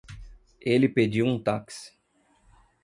Ele pediu um táxi